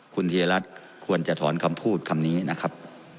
คุณธีรัตน์ควรจะถอนคำพูดคำนี้นะครับ